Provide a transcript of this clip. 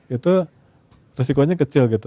itu resikonya kecil gitu